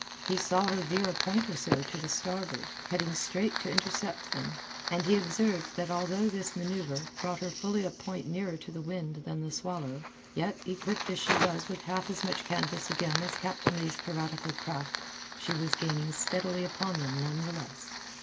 He saw her veer a point or so to starboard, heading straight to intercept them, and he observed that although this manceuvre brought her fully a point nearer to the wind than the Swallow, yet, equipped as she was with half as much canvas again as Captain Leigh's piratical craft, she was gaining steadily upon them none the less.